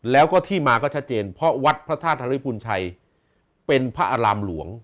แล้วก็ที่มาก็ชัดเจนเพราะวัดพระธาตุธริพุนชัยเป็นพระอารามหลวง